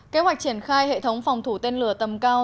kế hoạch triển khai hệ thống phòng thủ tên lửa tầm cao